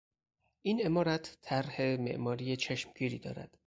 این عمارت طرح معماری چشمگیری دارد.